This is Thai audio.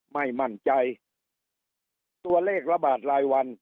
ไม่มั่นใจตัวเลขระบาดรายวัน